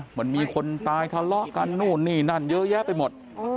เหมือนมีคนตายทะเลาะกันนู่นนี่นั่นเยอะแยะไปหมด